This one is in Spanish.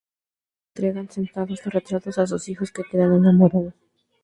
Ambos reyes entregan sendos retratos a sus hijos, que quedan enamorados.